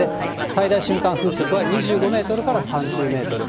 最大瞬間風速は２５メートルから３０メートル。